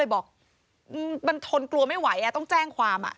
บอกมันทนกลัวไม่ไหวต้องแจ้งความ